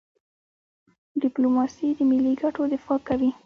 ډيپلوماسي د ملي ګټو دفاع کوي.